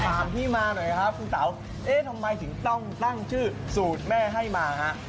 ถามที่มาหน่อยครับคุณเต๋าเอ๊ะทำไมถึงต้องตั้งชื่อสูตรแม่ให้มาฮะ